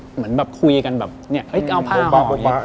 เหมือนแบบคุยกันแบบเอาผ้าหอมอย่างนี้